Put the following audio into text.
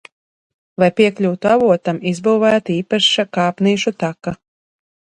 Lai piekļūtu avotam, izbūvēta īpaša kāpnīšu taka.